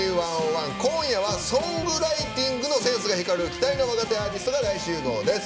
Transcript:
今夜はソングライティングのセンスが光る期待の若手アーティストが大集合です。